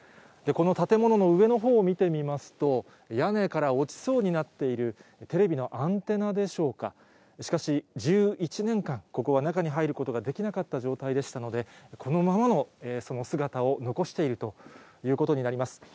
この建物の上のほうを見てみますと、屋根から落ちそうになっているテレビのアンテナでしょうか、しかし、１１年間、ここは中に入ることができなかった状態でしたので、このままのその姿を残しているということになります。